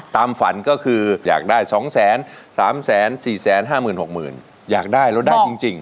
ตามฝันก็คืออยากได้๒แสน๓แสน๔แสน๕หมื่น๖หมื่น